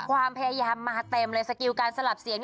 ว่าใครเอ่ย